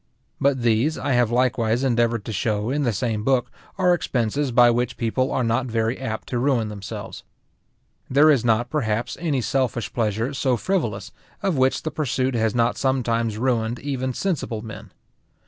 But these I have likewise endeavoured to show, in the same book, are expenses by which people are not very apt to ruin themselves. There is not, perhaps, any selfish pleasure so frivolous, of which the pursuit has not sometimes ruined even sensible men.